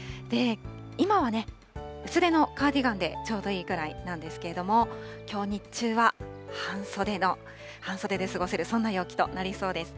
今は薄手のカーディガンでちょうどいいくらいなんですけれども、きょう日中は半袖で過ごせる、そんな陽気となりそうです。